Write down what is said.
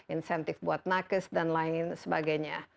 insentif buat nakes dan lain sebagainya